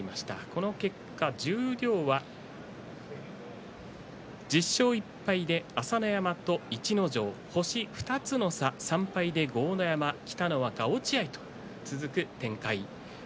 この結果、十両は１０勝１敗で朝乃山と逸ノ城星２つの差３敗で豪ノ山、北の若、落合と続く展開です。